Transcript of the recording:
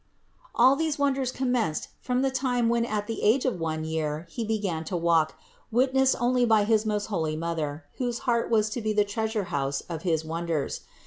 All these wonders commenced from the time when at the age of one year He began to walk, wit nessed only by his most holy Mother, whose heart was to be the treasure house of his wonders.